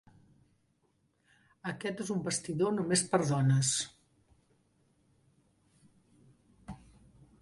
Aquest és un vestidor només per a dones.